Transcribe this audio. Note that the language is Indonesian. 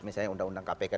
misalnya undang undang kpk